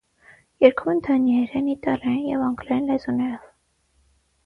Երգում են դանիերեն, իտալերեն և անգլերեն լեզուներով։